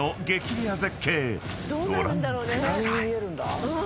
レア絶景ご覧ください］